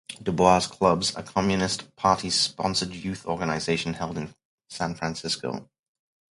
DuBois Clubs, a Communist Party-sponsored youth organization, held in San Francisco.